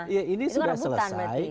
iya ini sudah selesai